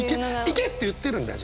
「いけ！！！」って言ってるんだ？